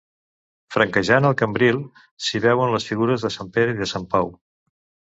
Flanquejant el cambril, s'hi veuen les figures de Sant Pere i de Sant Pau.